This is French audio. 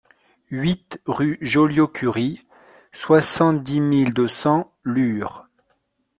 huit rue Juliot-Curie, soixante-dix mille deux cents Lure